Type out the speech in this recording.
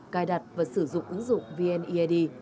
cài đặt và sử dụng ứng dụng vneid